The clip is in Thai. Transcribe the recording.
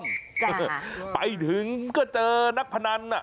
จ้าไปถึงก็เจอนักพนัน